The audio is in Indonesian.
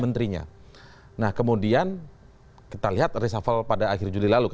menitus pemimpin m bumper kerusak